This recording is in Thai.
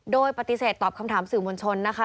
โดยปฏิเสธตอบคำถามสื่อมวลชนนะคะ